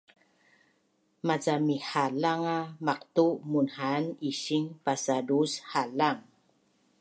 Maca mihalang a maqtu munhan ising pasadus halang